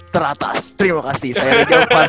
teratas terimakasih saya reza farhat